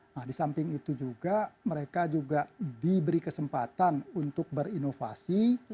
nah di samping itu juga mereka juga diberi kesempatan untuk berinovasi